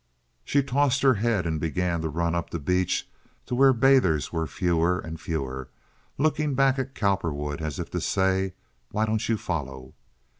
She tossed her head and began to run up the beach to where bathers were fewer and fewer, looking back at Cowperwood as if to say, "Why don't you follow?"